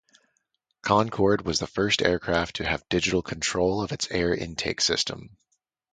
Concorde was the first aircraft to have digital control of its air intake system.